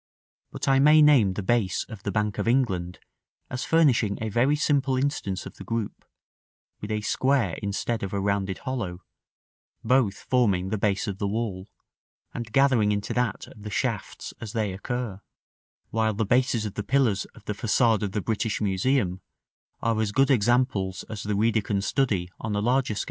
But I may name the base of the Bank of England as furnishing a very simple instance of the group, with a square instead of a rounded hollow, both forming the base of the wall, and gathering into that of the shafts as they occur; while the bases of the pillars of the façade of the British Museum are as good examples as the reader can study on a larger scale.